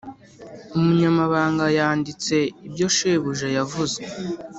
umunyamabanga yanditse ibyo shebuja yavuze.